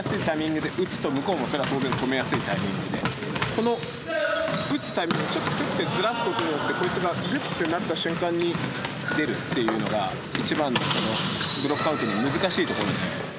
この打つタイミングキュッてずらすことによってこいつがグッてなった瞬間に出るっていうのが一番のブロックアウトの難しいところで。